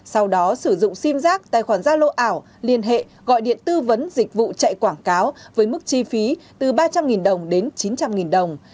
sau đó sử dụng sim giác tài khoản gia lô ảo liên hệ gọi điện tư vấn dịch vụ chạy quảng cáo với mức chi phí từ ba trăm linh đồng đến chín trăm linh đồng